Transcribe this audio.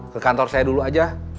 ke kantor saya dulu aja